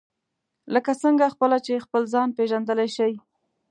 لکه څنګه خپله چې خپل ځان پېژندلای شئ.